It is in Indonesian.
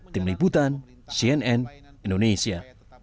tim liputan cnn indonesia